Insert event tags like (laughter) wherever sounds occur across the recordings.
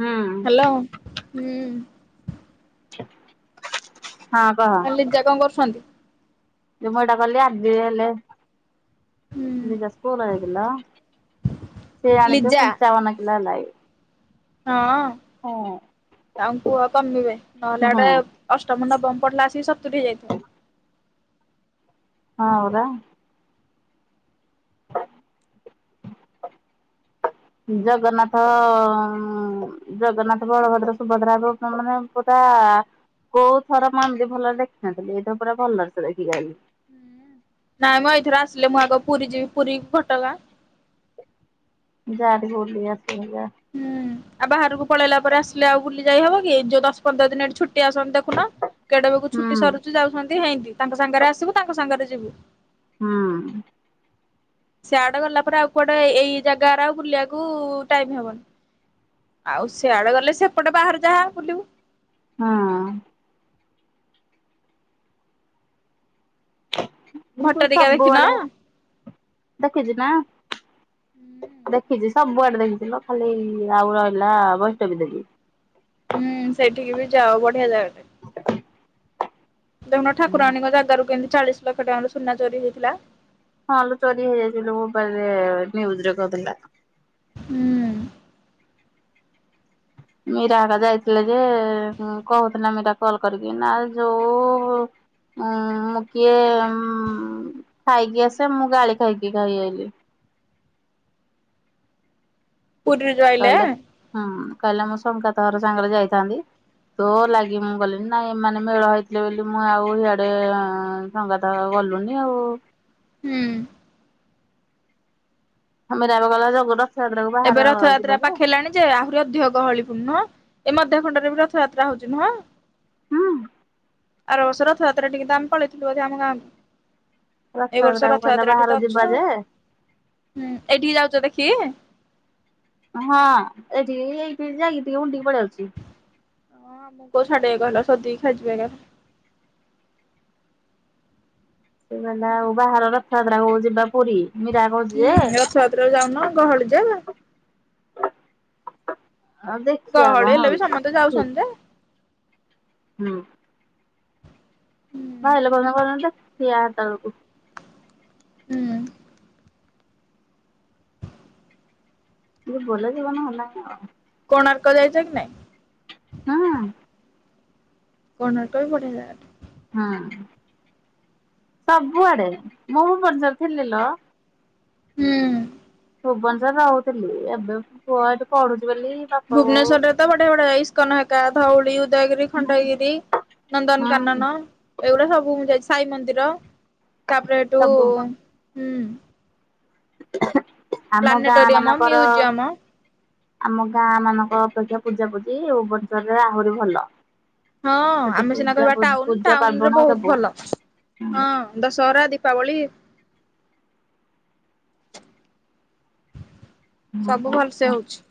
ହୁଁ ହ୍ୟାଲୋ, ହୁଁ। ହଁ କହ ଲିଜା କଣ କରୁଛନ୍ତି? ମୁଁ ଏଇଟା କଲି, ଆଜିି ହେଲେ ହୁଁ ନିଜ ସ୍କୁଲ ହେଇଥିଲା। ସେ ଆଣିଚ ଲିଜା ପଞ୍ଚାବନ କିିଲୋ ହେଲାବି। ହଁ, ତାଙ୍କୁ କୁହ କମିବେ, ନହେଲେ ହଁ ହେଡେ ଅଷ୍ଟମ ନବମ ପଢିଲା ଆସି ସତୁରି ହେଇଯାଇଥିବେ। ହଁ ପରା। ଜଗନ୍ନାଥ-ଅ-ଉଁ ଜଗନ୍ନାଥ, ବଳଭଦ୍ର, ସୁଭଦ୍ରାକୁ ମାନେ ପୁରା-ଆ କୋଉଥର ମୁଁ ଏମିତି ଭଲରେ ଦେଖିନଥିଲି। ଏଇଥର ପୁରା ଭଲରେ ସେ ଦେଖିକି ଆଇଲି। ନାଇଁ ମଁ ଏଇଥର ଆସିଲେ ମୁଁ ଆଗ ପୁରୀ ଯିବି ପୁରୀକି ଘଟଗାଁ। ଯା ଟିକିଏ ବୁଲିଆସିବୁ ଯା। ହୁଁ, ଆଉ ବାହାରକୁ ପଳେଇଲା ପରେ ଆସିଲେ ଆଉ ବୁଲି ଯାଇ ହବ କି, ଯୋଉ ଦଶ ପନ୍ଦର ଦିନ୍ ହେଇଠି ଛୁଟ୍ ଛୁଟି ଆସନ୍ତି ଦେଖୁନ, କେଡେବେଗୁ ହୁଁ ଛୁଟି ସରୁଛି, ଯାଉଛନ୍ତି ହେନ୍ତି। ତାଙ୍କ ସାଙ୍ଗରେ ଆସିବୁ, ତାଙ୍କ ସାଙ୍ଗରେ ଯିବୁ। ହୁଁ। ସେଆଡେ ଗଲା ପରେ ଆଉ କୁଆଡେ ଏଇ ଜାଗାରେ ଆଉ ବୁଲିବାକୁ-ଉ ଟାଇମ୍ ହବନି। ଆଉ ସେଆଡେ ଗଲେ, ସେପଟେ ବାହାର ଯାହା ବୁଲିବୁ। ହଁ। ମୁଁ କହୁଛି ଭଟରିକା ସବୁବେଳେ ଦେଖିନ? ଦେଖିଛି ନା ହୁଁ ଦେଖିଛି। ସବୁଆଡେ ଦେଖିଛିଲୋ ଖାଲି ଆଉ ରହିଲା ବୈଷ୍ଣବୀ ଦେବୀ। ହୁଁ, ସେଠିକି ବି ଯାଉ ବଢିଆ ଜାଗାଟେ। ଦେଖୁନ ଠାକୁରାଣୀଙ୍କ ଜାଗାରୁ କେମିତି ଚାଳିଶ ଲକ୍ଷ ଟଙ୍କାର ସୁନା ଚୋରି ହେଇଥିଲା। ହଁ ଲୋ ଚୋରି ହେଇଯାଇଛି (unintelligible) ମୋବାଇଲରେ ନ୍ୟୁଜରେ କହୁଥିଲା। ହୁଁ। ମୀରା ଘରିକା ଯାଇଥିଲେ ଯେ ହୁଁ କହୁଥିଲା ମୀରା କଲ୍ କରିକି ନା ଯୋଉ ଉଁ ମୁଁ କିଏ ଉଁ ଖାଇକି ଆସେ ମୁଁ ଗାଳି ଖାଇକି ଖାଇ ଆଇଲି। ପୁରୀରେ ଯୋଉ ଆଇଲେ କହିଲେ ହୁଁ କହିଲା ମୁଁ ସଙ୍ଗାତ ଘର ସାଙ୍ଗରେ ଯାଇଥାନ୍ତି। ତୋ ଲାଗି ମୁଁ ଗଲିିନି। ନାଇଁ ଏମାନେ ମେଳ ହେଇଥିଲେ ବୋଲି ମୁଁ ଆଉ ସିଆଡେ ଅଁ ସଙ୍ଗାତ (unintelligible) ଗଲୁନି ଆଉ। ହୁଁ। ମୀରା ଏବେ ଗଲା (unintelligible) ରଥଯାତ୍ରାକୁ ଏବେ ବାହାର ରଥଯାତ୍ରା ଯିବାକୁ। ପାଖେଇଲାଣି ଯେ ଆହୁରି ଅଧିକ ଗହଳି ପୂର୍ଣ୍ଣ। ଏ ମଧ୍ୟଖଣ୍ଡରେ ବି ରଥଯାତ୍ରା ହଉଛି ନୁହଁ। ହୁଁ ଆର ବର୍ଷ ରଥଯାତ୍ରା ଟିକିି ତ ଆମେ ପଳେଇଥିଲୁ ବୋଧେ ଆମ ଗାଁକୁ। ଏଇ ବର୍ଷ ରଥଯାତ୍ରାକୁ କହିଲା ରଥଯାତ୍ରାଠି ବାହାର ତ ଯିବା ଅଛ। ଯେ ହୁଁ ଏଇଠିକି ଯାଉଛ ଦେଖି? ହଁ ଏଇଠିକି ଏଇଠିକି ଯାଇକି ଟିକେ (unintelligible) କି ପଳେଇ ଆଉଛି। ହଁ ମୁଗ (unintelligible) ସୋଦିକି ଖାଇଯିବେ। (unintelligible) ସେ କହିଲା ଆଉ ବାହାର ରଥଯାତ୍ରାକୁ ଯିବା ପୁରୀ। ମୀରା କହୁଛି ହୁଁ ଯେ ରଥଯାତ୍ରାକୁ ଯାଉନ ଗହଳି ଯେ ଆଉ ଦେଖିବା ଗହଳି କଣ ହେଲେ ବି ହଉଛି। ସମସ୍ତେ ଠିକ ଯାଉଛନ୍ତି ଯେ। ହୁଁ। ହୁଁ। (unintelligible) ବେଳୁକୁ ହୁଁ। ଟିକେ ଭଲ ଜୀବନ (unintelligible) ଆଉ କୋଣାର୍କ ଯାଇଛ କି ନାହିଁ? ହଁ। କୋଣାର୍କ ବି ବଢିଆ ଯାଗାଟେ। ହୁଁ ସବୁଆଡେ। ମୁଁ ବି (unintelligible) ରେ ଥିଲି ଲୋ। ହୁଁ। ଭୁବନେଶ୍ୱରରେ ରହୁଥିଲି। ଏବେ ପୁଅ ଏଇଠି ପଢୁଛି ବୋଲି ବାପା ବୋଉ ଭୁବନେଶ୍ୱରରେ ତ ବଢିଆ ବଢିଆ ଇସ୍କନ ଘରିକା ଧଉଳି, ଉ ଦୟଗିରି, ଖଣ୍ଡଗିରି, ହୁଁ ନନ୍ଦନକାନନ ଏଇଗୁଡା ସବୁ ମୁଁ ଯାଇଛି। ସାଇ ମନ୍ଦିର ତା ପରେ ସେଇଠୁ ସବୁ ହୁଁ ଆମ ଗାଁ ପ୍ଲାନେଟୋରିୟମ, ମାନଙ୍କର ମ୍ୟୁଜିୟମ ଆମ ଗାଁ ମାନଙ୍କ ଅପେକ୍ଷା ପୂଜାପୂଜି ଭୁବନେଶ୍ବରରେ ଆହୁରି ଭଲ। ହଁ ସେଠି ଆମେ ସିନା ପୂଜା କହିବା ଟାଉନ୍। ପୂଜା ଟାଉନରେ ପାର୍ବଣ ବହୁତ ସବୁ ଭଲ ହଁ। ଦଶହରା, ଦୀପାବଳି ସବୁ ଭଲସେ ହଉଛି।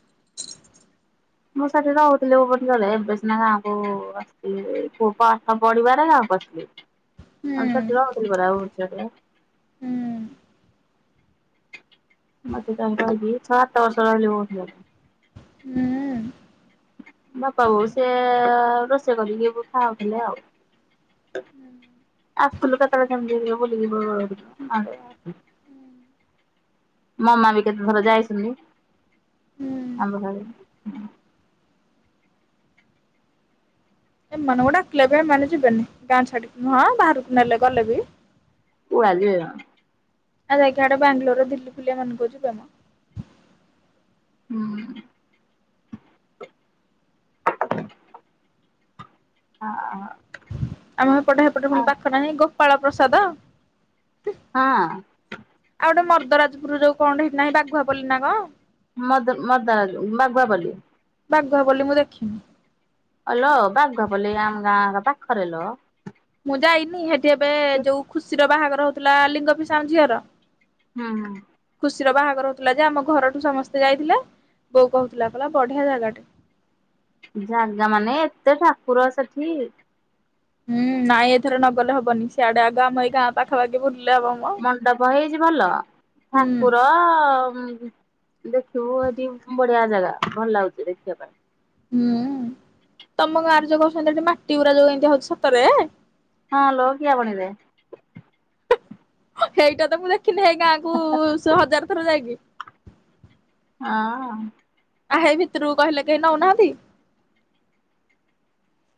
ମୁଁ ସେଇଠି ରହୁଥିଲି ଭୁବନେଶ୍ବରରେ। ଏବେ ସିନା ଗାଁକୁ ଆସ୍ ସିଲି। ପୁଅ ପାଠ ପଢିବା (unintelligible) ଗାଁକୁ ଆସିଲି। ହୁଁ ଆମେ ସେଇଠି ରହୁଥିଲୁ ପରା ଭୁବନେଶ୍ବରରେ। ହୁଁ ମତେ ତାଙ୍କ (unintelligible) ସାତ ବର୍ଷ (unintelligible) ହୁଁ। ବାପା ବୋଉ ସେ ଅଁ ରୋଷେଇ କରିକି ଖାଉଥିଲେ ଆଉ। ଆସୁଥିଲୁ କେତେବେଳେ କେମିତି ବୁଲିକି ପଳଉ। (unintelligible) ମାମା ବି କେତେଥର ଯାଇଛନ୍ତି ଆମ। (unintelligible) ଏମାନଙ୍କୁ ଡ଼ାକିଲେ ବି ଏମାନେ ଯିବେନି ଗାଁ ଛାଡିକିହଁ ବାହାରକୁ ନେଲେ ଗଲେ ବି (unintelligible) ଆଉ ଯକାଟଡେ ବାଙ୍ଗଲୋର ଦିଲ୍ଲୀ ଫିଲ ଏମାନଙ୍କୁ ଯିବେମ। ହୁଁ (inaudible) ହଁ ହ ଆମ ଏପଟ ହେପଟ ପୁଣି ପାଖ ନାହିଁ ଗୋପାଳ ପ୍ରସାଦ ହଁ ଆଉ ଗୋଟେ ମର୍ଦରାଜପୁର ଯଉ କଁ ହେଇଟି ନାହିଁ ବାଘୁଆପଲୀ ନା କଣ ମଦ ମର୍ଦରାଜ ବାଗୁଆ ପଲି ବାଘୁଆପୋଲି ମୁଁ ଦେଖିନି। ହାଲୋ ବାଘୁଆପଲି ଆମ ଗାଁଏକା ପାଖରେଲୋ ମୁଁ ଯାଇନି ହେଠି ଏବେ ଯୋଉ ଖୁସିର ବାହାଘର ହଉଥିଲା ଲିଙ୍ଗ ଫିସାଙ୍ଗ ଝିଅର ହୁଁ ହୁଁ ଖୁସିର ବାହାଘର ହୋଉଥିଲା ଯେ, ଆମ ଘରଠୁ ସମସ୍ତେ ଯାଇଥିଲେ, ବୋଉ କହୁଥିଲା କହିଲ ବଢିଆ ଜାଗାଟେ। ଜାଗା ମାନେ ଏତେ ଠାକୁର ସେଠି ହୁଁ ନାଇଁ ଏଥର ନଗଲେ ହବନି ସିଆଡ଼େ ଆଗ ଆମ ଏଇ ଗାଁ ପାଖପ ପାଖି ବୁଲିଲେ ହବ ମ ମଣ୍ଡପ ହେଇଛି ଭଲ। ହୁଁ ଠାକୁର ଦେଖିବୁ ଏଠି ବଢ଼ିଆ ଜାଗା ଭଲ ଲାଗୁଛି ଦେଖିବା ପାଇଁ ହୁଁ ତମ ଗାଁରେ ଯୋଉ କହୁଛନ୍ତି ଏଠି ମାଟି ଗୁରା ଯୋଉ ଏମିତି ହଉଛି ସତରେ ହଁ ଲୋ କିଆ ଭଣିରେ। ଏଇଟା ତ ମୁଁ ଦେଖିନି ଏଇ ଗାଁ କ ସେ ହଜାର ଥର ଯାଇକି ହଁ ଆ ହେଇ ଭିତରୁକୁ କହିଲେ କେହି ନୋଉନାହାନ୍ତି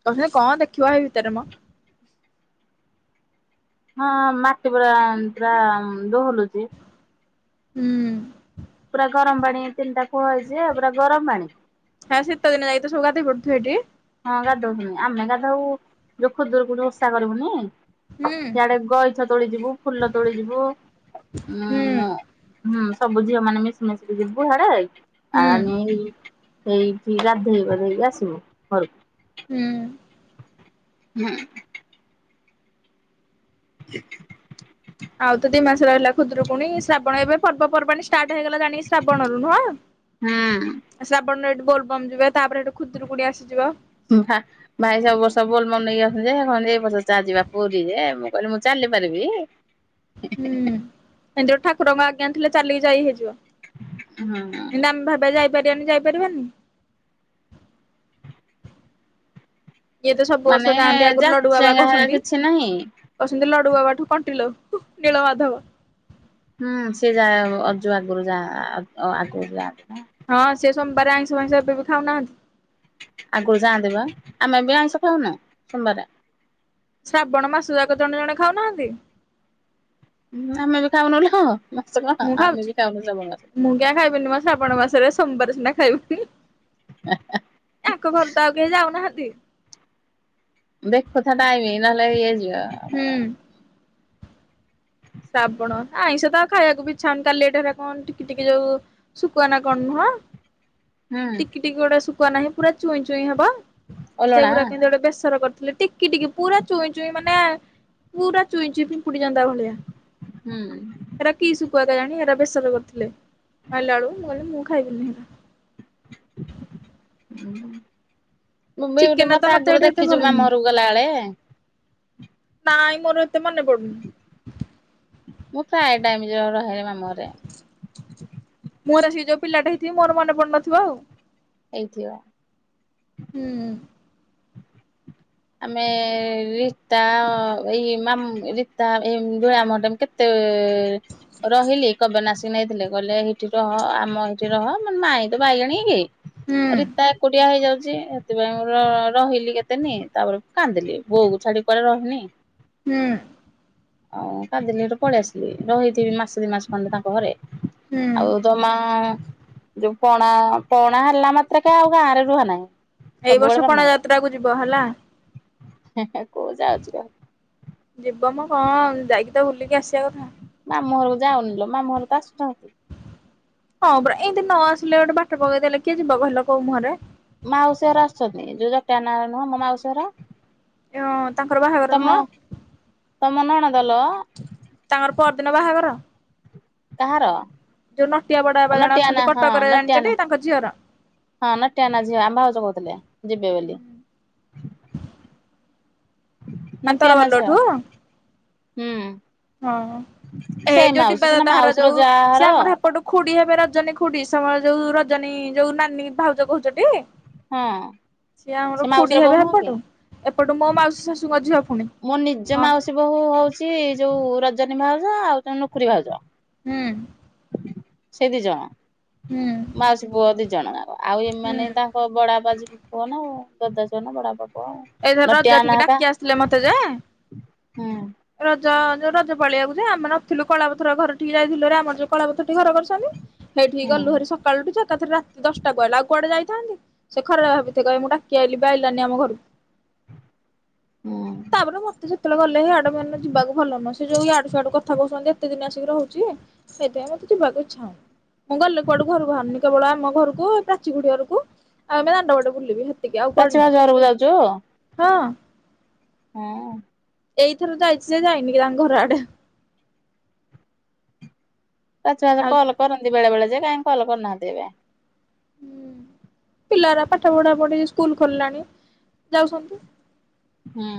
କ କଣ ଦେଖିବା ଭଇ ଭିତରେ ମ ହଁ ମାଟି ପଡା ପୁରା ଦୋହଲୁଛି। ହୁଁ ପୁରା ଗରମ ପାଣି ତିନିଟା କୁହ ହେଇଛି ପୁରା ଗରମ ପାଣି। ହଁ ଶୀତଦିନେ ଯାଇ ତ ସବୁ ଗାଧେଇ ପଡ଼ୁଥିବେ ଏଠି? ହଁ ଗାଧଉଛୁଣି। ଆମେ ଗାଧଉ ଯୋଉ ଖୁଦୁରୁକୁଣୀ ଓଷା କରିବୁନି ହୁଁ ଇଆଡ଼େ ଗଇଛ ତୋଳିଯିବୁ, ଫୁଲ ତୋଳି ଯିବୁ, ହୁଁ ଉଁ ହୁଁ ସବୁ ଝିଅ ମାନେ ମିଶି ମାଶିକି ଯିବୁ ହଡ଼େ, ହୁଁ ଆନି ସେଇଠି ଗାଧେଇ ପାଧେଇକି ଆସିବୁ ଘରକୁ। ହୁଁ ହୁଁ ଜ ଆଉ ତ ଦି ମାସ ରହିଲା ଖୁଦରୁକୁଣୀ ଶ୍ରାବଣ ଏବେ ପର୍ବପର୍ବାଣୀ ଷ୍ଟାର୍ଟ ହେଇଗଲା ଜାଣିକି ଶ୍ରାବଣ ରୁ ନୁହଁ? ଶ୍ରାବଣରେ ଏଠି ବୋଲବମ୍ ଯିବେ ତାପରେ ହେଠୁ ଖୁଦୁରୁକୁଣୀ ଆସିଯିବ। ହଁ ହଁ ଭାଇ ସବୁ ବର୍ଷ ବୋଲ ମନ ନେଇକି ଆସୁଛନ୍ତି ଯେ କହୁଛନ୍ତି ଏଇ ବର୍ଷ ଚାଲ୍ ଯିବା ପୁରୀ ଯେ ମୁଁ କହିଲି ମୁଁ ଚାଲି ପାରିବି? ହୁଁ, ଏମିତି ଠାକୁରଙ୍କ ଆଜ୍ଞା ଥିଲେ ଚାଲିକି ଯାଇ ହେଇଯିବ। ହୁଁ। ଇନ୍ତି ଆମେ ଭାବିବା ଯାଇପାରିବାନି ଯାଇପାରିବାନି ଇଏ ତ ସବୁ ମାନେ ବର୍ଷ ଯାଆନ୍ତି ଆଗରୁ ଲଡ଼ୁ ବାବା ଯାଚେଙ୍ଗା ହେରା କହୁଛନ୍ତି। କିଛି ନାହିଁ। କହୁଛନ୍ତି ଲଡ଼ୁ ବାବାଠୁ କଣ୍ଟିିଲୋ ନୀଳ ମଧବ। ହୁଁ ସିଏ ଯା ଅଜୁ ଆଗରୁ ଯା ଆଗ ଅ ଆଗରୁ ଯାଆନ୍ତି ନା। ହଁ ସିଏ ସୋମବାରେ ଆଇଁଷ ଫାଇଁଷ ଏବେ ବି ଖାଉନାହାନ୍ତି। ଆଗରୁ ଯାଆନ୍ତି ବା ଆମେ ବି ଆଇଁଷ ଖାଉନୁ ସୋମବାରେ। ଶ୍ରାବଣ ମାସ ଯାକ ଜଣେ ଜଣେ ଖାଉନାହାନ୍ତି। ହୁଁ ଆମେ ବି ଖାଉନୁ (inaudible) ହଁ। ମୁଁ ଖାଉଛି ମୁଁ କିଆଁ ଖାଇବିନି ମା ଶ୍ରାବଣ ମାସରେ ସୋମବାର ସିନା ଖାଇବିନି। ୟାଙ୍କ ଘରୁ ତ ଆଉ କେହି ଯାଉନାହାନ୍ତି। ଦେଖୁତା ଟାଇମି ନହେଲେ ଇଏ ଯିବ। ହୁଁ। ଶ୍ରାବଣ ଆଇଁଷ ତ ଆଉ ଖାଇବାକୁ ବି ଇଚ୍ଛା ହଉନି କାଲି ହେଇଟା କଣ ଟିକି ଟିକି ଯୋଉ ଶୁକୁଆ ନା କଣ ନୁହଁ। ହୁଁ ଟିକି ଟିକି ଗୋଟେ ଶୁଖୁଆ ନାହିଁ ପୁରା ଚୁଇଁ ଚୁଇଁ ହବ ଓଲଣା ସେଗୁଡା କେମିତି ଗୋଟେ ବେସର କରିଥିଲେ ଟି ଟିକି ଟିକି ପୁରା ଚୁଇଁ ଚୁଇଁ ମାନେ ପୁରା ଚୁଇଁ ଚୁଇଁ ପିମ୍ପୁଡି, ଜନ୍ଦା ଭଳିଆ। ହୁଁ। ହେରା କି ଶୁଖୁଆ କେଜାଣି ହେରା ବେସର କରିଥିଲେ ଆଇଲା ବେଳୁ ମୁଁ କହିଲି ମୁଁ ଖାଇବିନି ହେରା। ହୁଁ। ମୁଁ ବିୟୁଟି ଚିକେନ ତ ମତେ ଆଗରୁ ଏଠି ଏତେ ଦେଖିଚୁ ଭଲ ମାମୁଁ ନୁହଁ। ଘରୁକୁ ଗଲାବେଳେ। ନାଇଁ ମୋର ଏତେ ମନେ ପଡୁନି। ମୁଁ ପ୍ରାୟ ଟାଇମ୍ ଯୋଉ ରହେ ମାମୁଁ ଘରେ। ମୁଁ (unintelligible) ଯୋଉ ପିଲାଟା ହେଇଥିବ ମୋର ମନେ ପଡୁନଥିବ ଆଉ। ଏଇଥିବ। ହୁଁ ଉଁ। ଆମେ ରୀତା ଅ ଏଇ ମାମ୍ ରୀତା ଏଇ (inaudible) ମଣ୍ଡମ କେତ୍ ତେ ରହିଲି କବେ ନାଶି ନେଇଥିଲେ କହିଲେ ଏଇଠି ରହ ଆମ ଏଇଠି ରହ ମାନେ ମାଇଁ ତ ବାଇଗଣୀ କି ହୁଁ ଆଉ ରୀତା ଏକୁଟିଆ ହେଇଯାଉଚି ସେଥିପାଇଁ ମୁଁ ର ରହିଲି କେତେନି। ତାପରେ ମୁଁ କାନ୍ଦିଲି ବୋଉକୁ ଛାଡି କୁଆଡେ ରହିନି। ହୁଁ। ଆଉ କାନ୍ଦିଲି ସେଠୁ ପଳେଇ ଆସିଲି ରହିଥିବି ମାସେ ଦି ମାସ ଖଣ୍ଡେ ତାଙ୍କ ଘରେ। ହୁଁ। ଆଉ ଯୋଉ ମାଁ ଯୋଉ ପଣା ପଣା ହେଲା ମାତ୍ରକେ ଆଉ ଗାଁ ରେ ରୁହା ନାହିଁ। ଏଇ ସବୁବେଳେ ବର୍ଷ ପଣା ମାମୁଁ ଯାତ୍ରା କୁ ଯିବ ହେଲା। କୋଉ ଯାଉଚି ଆଉ। ଯିବ ମଁ କଣ ଯାଇକି ତ ବୁଲିକି ଆସିବା କଥା। ମାମୁଁ ଘରକୁ ଯାଉନି ଲୋ ମାମୁଁ ଘର ତ ଆସୁନାହାନ୍ତି। ହଁ ପରା ଏନ୍ତି ନ ଆସିଲେ ଗୋଟେ ବାଟ ପକେଇଦେଲେ କିଏ ଯିବ କହିଲ କୋଉ ମୁହଁରେ। ମାଉସୀ ଘର ଆସୁଚନ୍ତି ଯୋଉ ଜଟିଆ ନା ନୁହଁ ମୋ ମାଉସୀ ଘର। ହଁ ତାଙ୍କର ବାହାଘର ତମ ନୁହଁ ତମ ନଣନ୍ଦ ଲୋ ତାଙ୍କର ପରଦିନ ବାହାଘର। କାହାର? ଯୋଉ ନଟିଆ ବଡବାପା ଜଣେ ନଟିଆନା ଅଛନ୍ତି ହଁ କଟକରେ ଜାଣିଚ ନଟିଆନା ଟି ତାଙ୍କ ଝିଅର। ହଁ ନଟିଆ ନା ଝିଅ ଆମ ଭାଉଜ କହୁଥିଲେ ଯିବେ ବୋଲି। ମାନେ ନଟିଆ ନା ଝିଅ ତରବରଲୋଠୁ ହୁଁ। ହଁ। ସେ ଏଇ ମାଉସୀ ସିନା ମାଉସୀର ଯା ହର। ଏପଟୁ ଖୁଡ଼ି ହେବେ ରଜନୀ ଖୁଡ଼ି ସମ ଯୋଉ ରଜନୀ ଯୋଉ ନାନୀ ଭାଉଜ କହୁଚ ଟି। ହଁ। ସିଏ ଆମର ସେ ଖୁଡି ମାଉସୀର ବୋହୁ ହେବେ ନୁହଁ କି? ଏପଟୁ ଏପଟୁ ମୋ ମାଉସୀ ଶାଶୁଙ୍କ ଝିଅ ଫୁଣି। ମୋ ନିଜ ହଁ ମାଉସୀ ବୋହୂ ହଉଚି ଯୋଉ ରଜନୀ ଭାଉଜ ଆଉ ତା ନୁଖୁରୀ ଭାଉଜ। ହୁଁ। ସେ ଦି ଜଣ ହୁଁ ମାଉସୀ ପୁଅ ଦି ଜଣ ଯାକ ଆଉ ହୁଁ ଏମାନେ ତାଙ୍କ ବଡାଆପା ଝିଅ ପୁଅ ନା ଆଉ ଦାଦା ଝିଅ ନା ବଡାଆପା ଏଇଥର ରଜ ଠିକି ଡାକି ଆସିଥିଲେ ମତେ ଯେ ହୁଁ ରଜ ଯୋଉ ରଜ ପାଳିଆକୁ ଯେ ଆମେ ନଥିଲୁ କଳାପଥର ଘର ଠିକି ଯାଇଥିଲୁ ଭାରି ଆମର ଯୋଉ କଳାପଥର ଠେଇ ଘର କରି ଛନ୍ତି ସେଇଠିକି ହୁଁ ଗଲୁ ଭାରି ସକାଳୁଠୁ ଯେ ଏକା ଥରେ ରାତି ଦଶଟା କୁ ଆଇଲୁ ଆଉ କୁଆଡେ ଯାଇଥାନ୍ତି। ସେ ଖରାପ ଭାବିଥିବେ କହିବେ ମୁଁ ଡାକି ଆଇଲିି ବି ଆଇଲାନି ଆମ ଘରୁକୁ। ହଁ। ତାପରେ ମତେ ସେତବେଳେ ଗଲେ ହେ ଆଡାମାନରେ ଯିବାକୁ ଭଲ ନୁହଁ ସେ ଯୋଉ ଇଆଡୁ ସାଡୁ କଥା କହୁଛନ୍ତି ଏତେ ଦିନି ଆସିକି ରହୁଚି। ସେଇଥିପାଇଁ ମତେ ଯିବାକୁ ଇଚ୍ଛା ହଉନି। ମୁଁ ଗଲେ କୁଆଡୁ ଘରୁ ବାହାରୁନି କେବଳ ଆମ ଘରୁକୁ ଏ ପ୍ରାଚି ଖୁଡି ଘରୁକୁ ଆଉ ଆମେ ଦାଣ୍ଡ ବାଟେ ବୁଲିବି ହେ ତିକି ଆଉ କୁଆଡେ ନାଇଁ। ଘରୁକୁ ଯାଉଚ? ହଁ। ହଁ। ଏଇଥର ଯାଇଛି ଯେ ଯାଇନି କି ତାଙ୍କ ଘର ଆଡେ। ଆଚ୍ଛା ଆଚ୍ଛା ଆଉ କଲ କରନ୍ତି ବେଳେ ବେଳେ ଯେ କାଇଁ କଲ୍ କରିନାହାନ୍ତି ଏବେ। ହୁଁ ପିଲାଗୁରା ପାଠ ପଢା ପଢି ସ୍କୁଲ ଖୋଲିଲାଣି। ଯାଉଛନ୍ତି। ହଁ।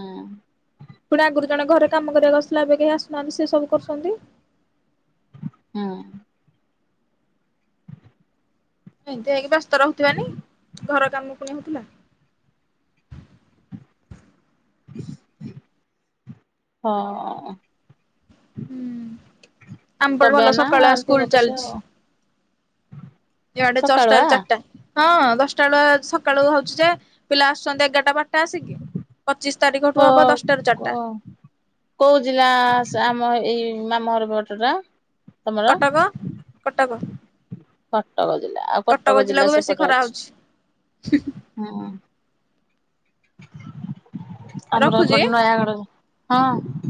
ପୁଣି ଆଗୁରୁ ଜଣେ ଘରେ କାମ କରିଆକୁ ଆସୁଥିଲା ଏବେ କେହି ଆସୁନାହାନ୍ତି ସେ ସବୁ କରୁଛନ୍ତି। ହଁ। ଏମତି ହେଇକି ବ୍ୟସ୍ତ ରହୁଥିବେନି ଘର କାମ ପୁଣି ହଉଥିଲା। ହଁ। ହୁଁ ଆମ ପଟେ ଭଲ କବେ ନା ସକାଳୁଆ ଏମତି ସ୍କୁଲ ଗଡୁଛି ଚାଲିଛି। ଆଉ। ଇଆଡେ ଚଶଟା ରୁ ସକାଳୁଆ ଚାରଟା ହଁ ଦଶଟା ବେଳୁଆ ସକାଳୁ ହଉଛି ଯେ ପିଲା ଆସୁଛନ୍ତି ଏଗାରଟା ବା ଟା ଆସିକି ପଚିଶ୍ ତାରିଖ ଠୁ କୋ ହବ ଦଶଟା ରୁ କୋ ଚାରଟା। କୋଉ ଜିଲ୍ଲା ସ ଆମ ଏ-ଏଇ ମାମୁଁଘର ପଟ ଟା? କଟକ କଟକ। କଟକ ଜିଲ୍ଲା ଆଉ କଟକ ଜିଲ୍ଲା ଜିଲ୍ଲାକୁ ବେଶୀ ସେପଟେ ଖରା ଅଛି। ହଉଛି ହଁ ଆମର ରଖୁଛି। ଏପଟେ ନୟାଗଡ। ହଁ।